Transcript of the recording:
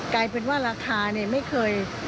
กลายเป็นว่าราคาเนี่ยไม่เคย